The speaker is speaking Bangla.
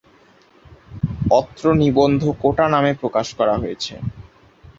অত্র নিবন্ধ কোটা নামে প্রকাশ করা হয়েছে।